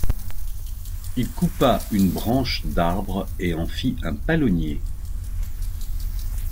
Il coupa une branche d’arbre et en fit un palonnier.